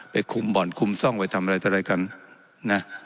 ไปคุมบ่อนคุมซ่องไปทำอะไรกัน